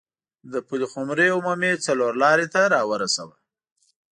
د پلخمري عمومي څلور لارې ته راورسوه.